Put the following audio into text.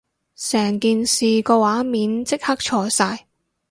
成件事個畫面即刻錯晒